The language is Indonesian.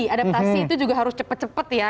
adaptasi itu juga harus cepet cepet ya